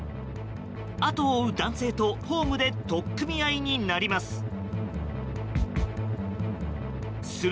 後を追う男性とホームで取っ組み合いになります。